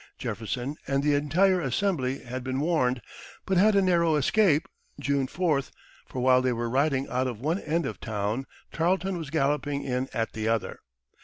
Jefferson and the entire Assembly had been warned, but had a narrow escape (June 4th), for while they were riding out of one end of town Tarleton was galloping in at the other.